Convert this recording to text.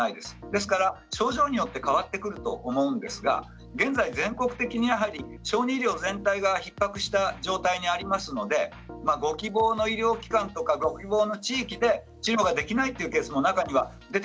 ですから症状によって変わってくると思うんですが現在、全国的にやはり小児医療全体が、ひっ迫した状態にありますのでご希望の医療機関とかご希望の地域で治療ができないというケースもあります。